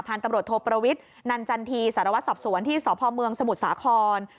ตำรวจโทประวิทย์นันจันทีสารวัตรสอบสวนที่สพเมืองสมุทรสาคร